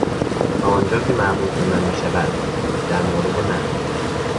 تا آنجا که مربوط به من میشود، در مورد من...